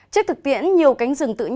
trước thực tiễn nhiều cánh rừng tự nhiên